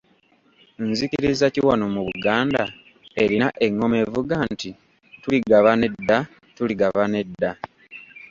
"Nzikiriza ki wano mu Buganda erina eng’oma evuga nti “Tuligabana edda, tuligabana edda”?"